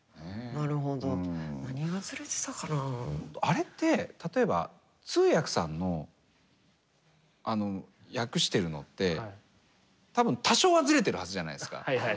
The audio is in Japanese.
あれって例えば通訳さんの訳してるのって多分多少はズレてるはずじゃないですか。